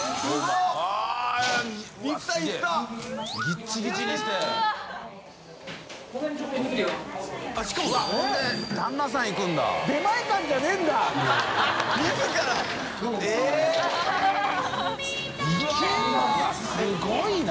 いすごいな！